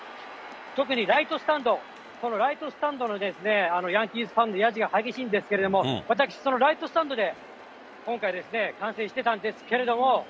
特にライトスタンド、このライトスタンドのヤンキースファンのやじが激しいんですけれども、私そのライトスタンドで今回、観戦してたんですけれども。